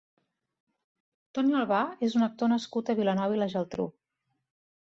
Toni Albà és un actor nascut a Vilanova i la Geltrú.